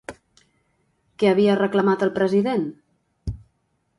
Què havia reclamat el president?